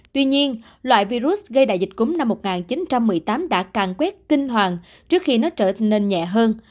tuy nhiên loại virus gây đại dịch cúm năm một nghìn chín trăm một mươi tám đã càng quét kinh hoàng trước khi nó trở nên nhẹ hơn